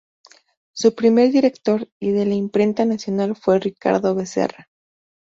Su primer director y de la Imprenta Nacional fue Ricardo Becerra.